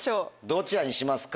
どちらにしますか？